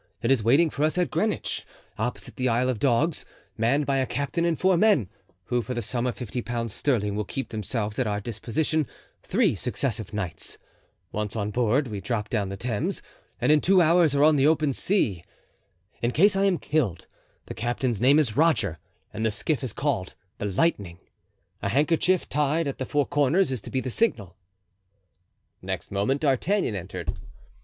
It is waiting for us at Greenwich, opposite the Isle of Dogs, manned by a captain and four men, who for the sum of fifty pounds sterling will keep themselves at our disposition three successive nights. Once on board we drop down the Thames and in two hours are on the open sea. In case I am killed, the captain's name is Roger and the skiff is called the Lightning. A handkerchief, tied at the four corners, is to be the signal." Next moment D'Artagnan entered.